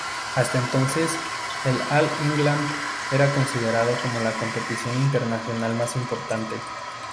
Hasta entonces, el All England era considerado como la competición internacional más importante.